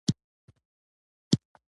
له هغې سره خو دده نه لګي یاري نه ورسره لري.